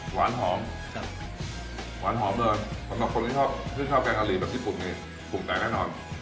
หวานหอมหวานหอมเลยสำหรับคนที่ชอบแกงกะลีแบบญี่ปุ่มนี้ปุ่มแกงแค่นอน